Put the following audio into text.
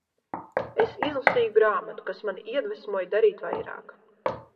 Es izlasīju grāmatu, kas mani iedvesmoja darīt vairāk.